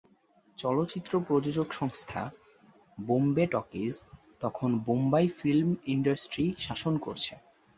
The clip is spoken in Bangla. চলচ্চিত্র প্রযোজক সংস্থা "বোম্বে টকিজ" তখন বোম্বাই ফিল্ম ইন্ডাস্ট্রি শাসন করছে।